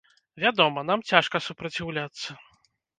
Вядома, нам цяжка супраціўляцца.